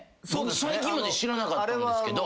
最近まで知らなかったんですけど。